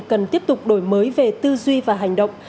cần tiếp tục đổi mới về tư duy và hành động